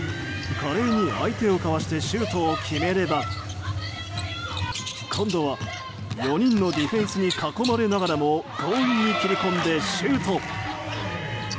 華麗に相手をかわしてシュートを決めれば今度は４人のディフェンスに囲まれながらも強引に切り込んでシュート。